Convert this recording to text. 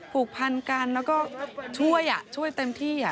ผูกพันกันแล้วก็ช่วยช่วยเต็มที่